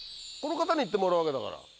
この方に行ってもらうわけだから。